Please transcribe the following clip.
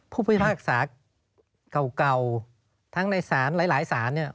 ผู้พุทธภาคศาสตร์เก่าทั้งในศาลหลายศาล